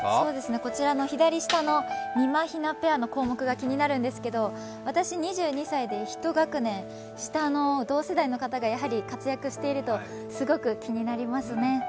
こちらの左下のみまひなペアの項目が気になるんですけど私、２２歳で１学年下の同世代の方がやはり活躍していると、すごく気になりますね。